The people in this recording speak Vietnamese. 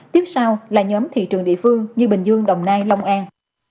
tiếp sau là nhóm thị trường địa phương như bình dương đồng nai long an